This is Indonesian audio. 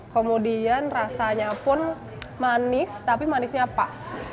kemudian rasanya pun manis tapi manisnya pas